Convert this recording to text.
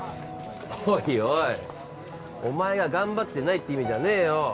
おいおいお前が頑張ってないって意味じゃねえよ